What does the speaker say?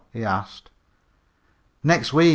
he asked. "Next week.